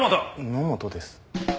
野本です。